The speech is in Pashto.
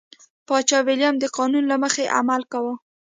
پاچا ویلیم د قانون له مخې عمل کاوه.